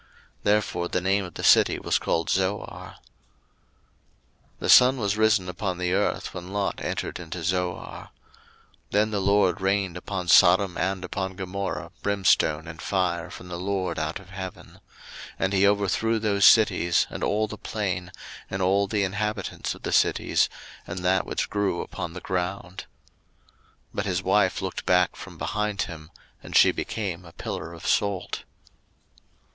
Therefore the name of the city was called Zoar. 01:019:023 The sun was risen upon the earth when Lot entered into Zoar. 01:019:024 Then the LORD rained upon Sodom and upon Gomorrah brimstone and fire from the LORD out of heaven; 01:019:025 And he overthrew those cities, and all the plain, and all the inhabitants of the cities, and that which grew upon the ground. 01:019:026 But his wife looked back from behind him, and she became a pillar of salt.